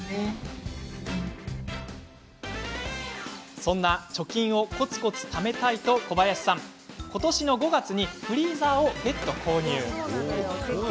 そんな貯金をこつこつためたいと小林さん、ことしの５月にフリーザーを別途購入。